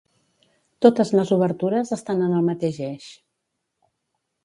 Totes les obertures estan en el mateix eix.